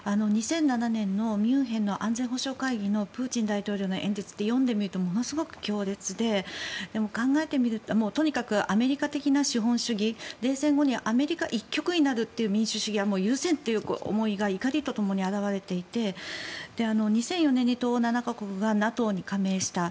２００７年のミュンヘンの安全保障会議のプーチン大統領の演説って読んでみるとものすごく強烈で考えてみるととにかくアメリカ的な資本主義冷戦後にアメリカ一極になるという民主主義はもう許せんという思いが怒りとともに表れていて２００４年に東欧７か国がＮＡＴＯに加盟した。